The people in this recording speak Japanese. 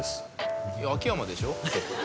いや秋山でしょ？